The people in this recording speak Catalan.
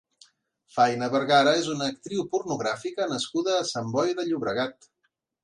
Fayna Vergara és una actriu pornogràfica nascuda a Sant Boi de Llobregat.